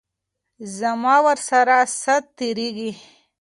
زما ورسره ساعت تیریږي.